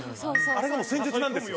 あれが戦術なんですよ。